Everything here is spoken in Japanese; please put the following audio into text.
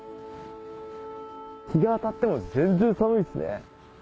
日が当たっても全然寒いですね。